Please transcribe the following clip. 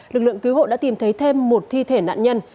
lực lượng cứu hộ đã tìm thấy thêm một thi thể nạn nhân